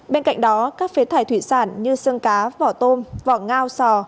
bên cạnh đó các phế thải thủy sản như sơn cá vỏ tôm vỏ ngao sò